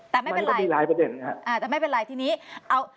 แต่ไม่เป็นไรอ่าแต่ไม่เป็นไรทีนี้มันก็มีหลายประเด็น